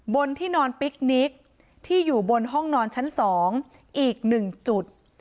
บนที่นอนพิกนิกที่อยู่บนห้องนอนชั้นสองอีกหนึ่งจุด